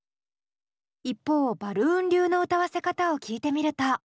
一方バルーン流の歌わせ方を聴いてみると。